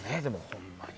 ほんまに。